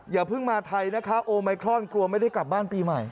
อย่าเพิ่งมาไทยนะคะโอไมครอนกลัวไม่ได้กลับบ้านปีใหม่